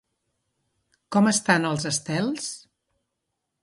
Com estan els estels?